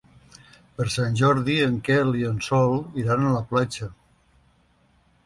Per Sant Jordi en Quel i en Sol iran a la platja.